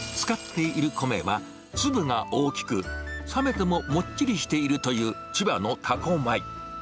使っている米は、粒が大きく、冷めてももっちりしているという千葉の多古米。